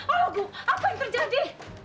alugo apa yang terjadi